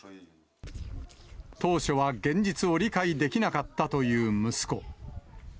当初は現実を理解できなかったという息子。